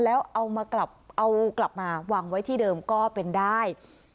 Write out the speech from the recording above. แล้วเอากลับมาวางไว้ที่เดิมก็เป็นได้